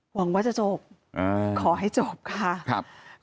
หวังว่าจะจบขอให้จบค่ะครับ